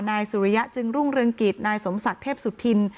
นายสุริยะจึงรุ่งเรืองกิจนายสมศักดิ์เทพสุธิน